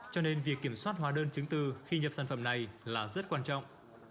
cho nên việc kiểm soát hóa đơn chứng từ khi nhập sản phẩm này là rất quan trọng